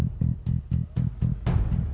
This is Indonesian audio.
uptonya paling murah